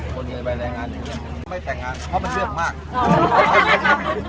ปฏิบัติสามารถปล่อยมาสุข